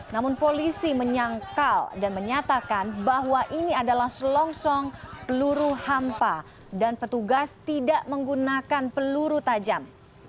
namun polisi menyangkal dan menyatakan bahwa ini adalah selongsong peluru hampa dan petugas tidak menggunakan peluru tajam